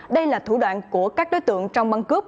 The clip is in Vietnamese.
đây là thủ đoạn của các đối tượng trong băng cướp